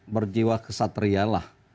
berjiwa kesatria lah